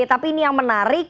tapi ini yang menarik